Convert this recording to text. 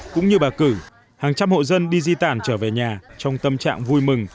cũng như bà cử hàng trăm hộ dân đi di tản trở về nhà trong tâm trạng vui mừng